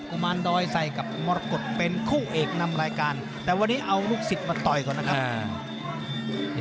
มาลดอยใส่กับมรกฏเป็นคู่เอกนำรายการแต่วันนี้เอาลูกศิษย์มาต่อยก่อนนะครับ